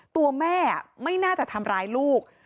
ตัวแม่ไม่น่าจะทำร้ายลูก